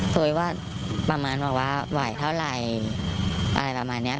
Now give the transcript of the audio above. เคยว่าประมาณบอกว่าไหวเท่าไหร่อะไรประมาณนี้